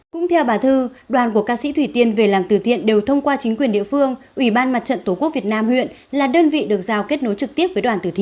cũng theo bà thư đoàn của ca sĩ thủy tiên về làm từ thiện đều thông qua chính quyền địa phương ủy ban mặt trận tổ quốc việt nam huyện là đơn vị được giao kết nối trực tiếp với đoàn tử thi